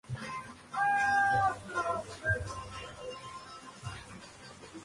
El símbolo de esta legión es una loba y los gemelos Rómulo y Remo.